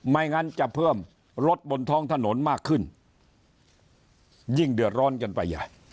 ไม่งั้นจะเพิ่มรถบนท้องถนนมากขึ้นยิ่งเดือดร้อนกันไปใหญ่